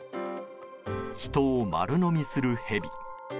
人を丸飲みするヘビ。